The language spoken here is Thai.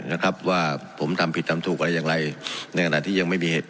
นะครับว่าผมทำผิดทำถูกอะไรอย่างไรในขณะที่ยังไม่มีเหตุ